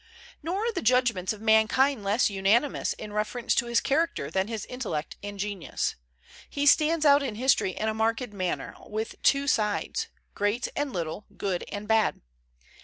Nor are the judgments of mankind less unanimous in reference to his character than his intellect and genius. He stands out in history in a marked manner with two sides, great and little, good and bad.